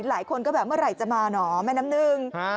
หลายคนก็แบบเมื่อไหร่จะมาเหรอแม่น้ำหนึ่ง